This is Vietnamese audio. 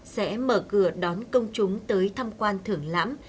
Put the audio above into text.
sẽ mở cửa đón công chúng tới tham quan thưởng lãm